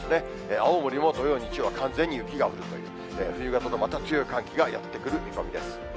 青森も土曜、日曜は完全に雪が降るという、冬型のまた強い寒気がやって来る見込みです。